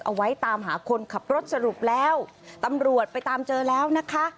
เอาไว้ตามหาคนขับรถสรุปแล้วตำรวจไปตามเจอแล้วนะคะ